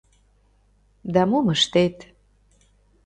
Да мом ыштет!